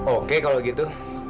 oke kalau gitu